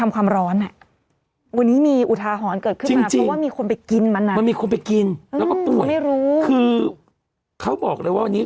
มันมีออกมาเป็นถ้วยแบบนั้น